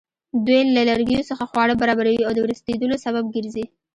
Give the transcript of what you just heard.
دوی له لرګیو څخه خواړه برابروي او د ورستېدلو سبب ګرځي.